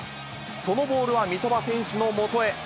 そのボールは三笘選手のもとへ。